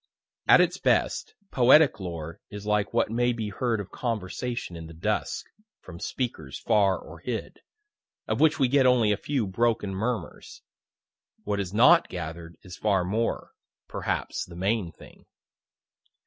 At its best, poetic lore is like what may be heard of conversation in the dusk, from speakers far or hid, of which we get only a few broken murmurs. What is not gather'd is far more perhaps the main thing.